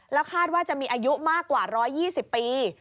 แล้วคาดว่าจะมีอายุมากกว่า๑๒๐ปี